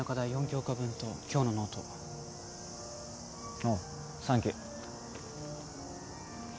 ４教科分と今日のノートあ